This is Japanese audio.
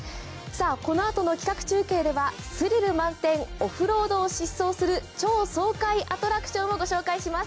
このあとの企画中継ではスリル満点、オフロードを疾走する超爽快アトラクションをご紹介します。